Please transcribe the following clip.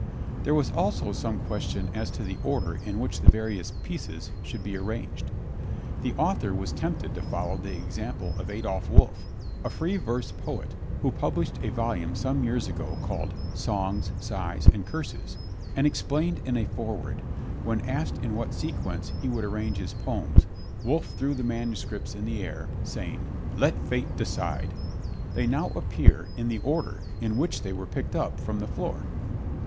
There was also some question as to the order in which the various "pieces" should be arranged. The author was tempted to follow the example of Adolf Wolff, a free verse poet who published a volume some years ago called Songs, Sighs and Curses, and explained in a foreword, "When asked in what sequence he would arrange his poems, Wolff threw the manuscripts in the air, saying 'Let Fate decide.' They now appear in the order in which they were picked up from the floor."